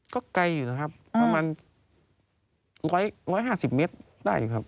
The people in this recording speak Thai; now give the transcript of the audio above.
ก็ไกลอยู่นะครับประมาณ๑๕๐เมตรได้ครับ